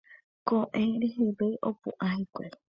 Ko'ẽ reheve opu'ã hikuái.